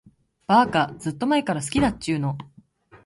ばーか、ずーっと前から好きだっちゅーの。